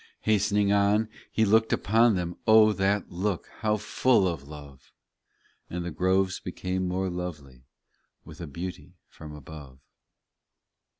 Hastening on, He looked upon them O ! that look ! how full of love And the groves became more lovely With a beauty from above.